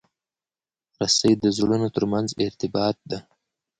رسۍ د زړونو ترمنځ ارتباط ده.